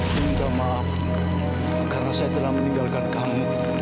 minta maaf karena saya telah meninggalkan kamu